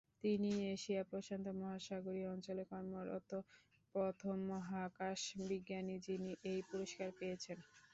তিনিই এশিয়া-প্রশান্ত মহাসাগরীয় অঞ্চলে কর্মরত প্রথম মহাকাশ বিজ্ঞানী যিনি এই পুরস্কার পেয়েছেন।